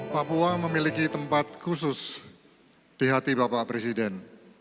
papua memiliki tempat khusus di hati bapak presiden